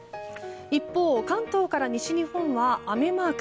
一方、関東から西日本は雨マーク。